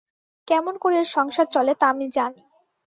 কেমন করে এর সংসার চলে তা আমি জানি।